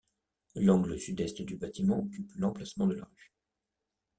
L'angle sud-est du bâtiment occupe l'emplacement de la rue.